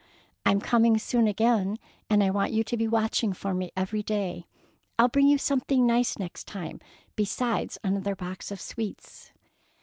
I'm coming soon again, and I want you to be watching for me every day. I'll bring you something nice next time, besides another box of sweets."